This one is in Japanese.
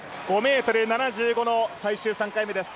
５ｍ７５の最終、３回目です。